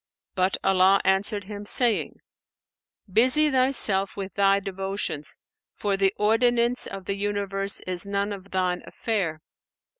But Allah answered him, saying, "Busy thyself with thy devotions, for the ordinance of the universe is none of thine affair.